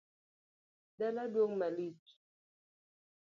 Dala duong’ malich